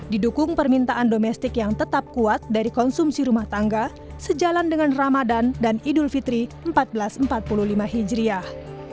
didukung permintaan domestik yang tetap kuat dari konsumsi rumah tangga sejalan dengan ramadan dan idul fitri seribu empat ratus empat puluh lima hijriah